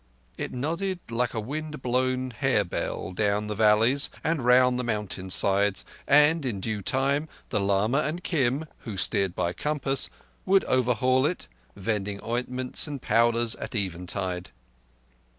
It nodded like a wind blown harebell down the valleys and round the mountain sides, and in due time the lama and Kim, who steered by compass, would overhaul it, vending ointments and powders at eventide.